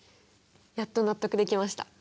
やっと納得できました。